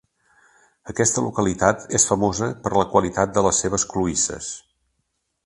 Aquesta localitat és famosa per la qualitat de les seves cloïsses.